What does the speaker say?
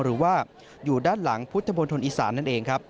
หรือว่าอยู่ด้านหลังพุทธพนธนอิศรนั่นเอง